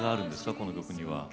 この曲には。